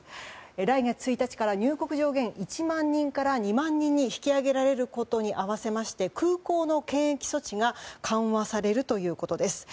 来月１日から入国上限１万人から２万人に引き上げられることに合わせまして空港の検疫措置が緩和されるということです。